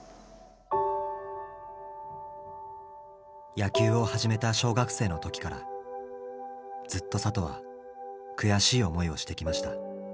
野球を始めた小学生の時からずっと里は悔しい思いをしてきました。